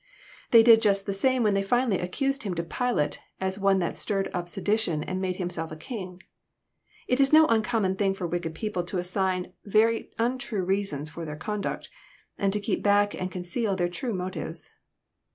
They did just the same when they finally accused Him to Pilate, as One that stirred up sedi tion, and made Himself a King. It is no uncommon thing for wicked people to assign very untrue reasons for their conduct, and to keep back and conceal their true motives.